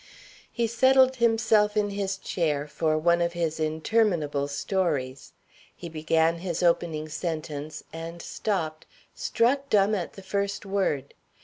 He settled himself in his chair for one of his interminable stories; he began his opening sentence and stopped, struck dumb at the first word.